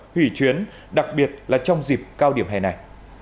hủy chuyến đặc biệt là trong dịp cao điểm hè này